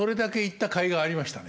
ありました？